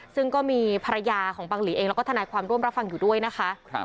ซึ่งก็มีภรรยาของบังหลีเองแล้วก็ทนายความร่วมรับฟังอยู่ด้วยนะคะ